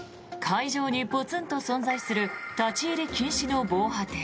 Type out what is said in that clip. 海上にポツンと存在する立ち入り禁止の防波堤。